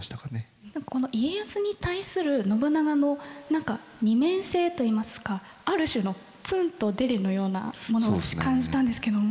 この家康に対する信長の二面性といいますかある種のツンとデレのようなものを私感じたんですけども。